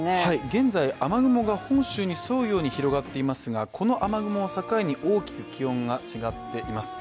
現在、雨雲が本州に沿うように広がっていますがこの雨雲を境に大きく気温が違っています。